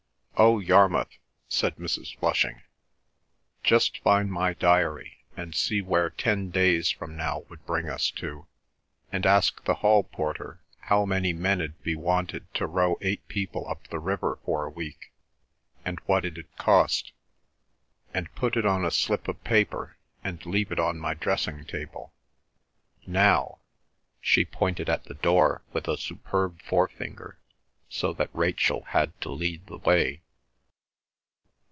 "Oh, Yarmouth," said Mrs. Flushing, "just find my diary and see where ten days from now would bring us to, and ask the hall porter how many men 'ud be wanted to row eight people up the river for a week, and what it 'ud cost, and put it on a slip of paper and leave it on my dressing table. Now—" she pointed at the door with a superb forefinger so that Rachel had to lead the way.